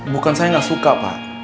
bukan saya nggak suka pak